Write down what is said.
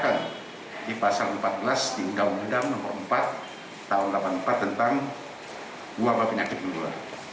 kami persangkakan di pasar empat belas di gawang bedang nomor empat tahun seribu sembilan ratus delapan puluh empat tentang buah buah penyakit leluhur